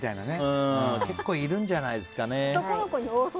結構いるんじゃないですかね。